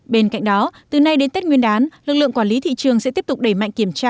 bên cạnh đó từ nay đến tết nguyên đán lực lượng quản lý thị trường sẽ tiếp tục đẩy mạnh kiểm tra